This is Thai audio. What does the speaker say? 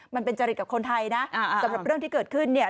มันเป็นจริตกับคนไทยนะสำหรับเรื่องที่เกิดขึ้นเนี่ย